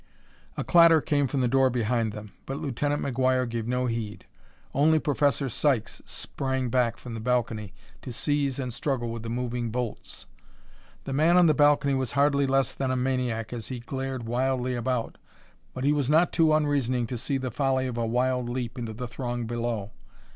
A clatter came from the door behind them, but Lieutenant McGuire gave no heed. Only Professor Sykes sprang back from the balcony to seize and struggle with the moving bolts. The man on the balcony was hardly less than a maniac as he glared wildly about, but he was not too unreasoning to see the folly of a wild leap into the throng below.